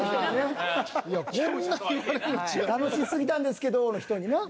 「楽しすぎたんですけどー」の人にな。